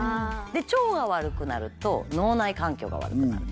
腸が悪くなると脳内環境が悪くなる。